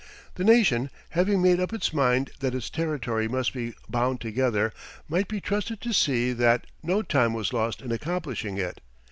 The nation, having made up its mind that its territory must be bound together, might be trusted to see that no time was lost in accomplishing it.